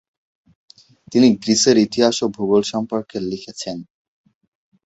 তিনি গ্রিসের ইতিহাস ও ভূগোল সম্পর্কে লিখেছেন।